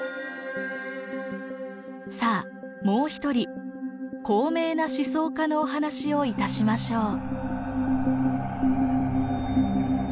さあもう一人高名な思想家のお話をいたしましょう。